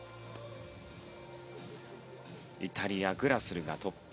イタリアグラスルがトップ。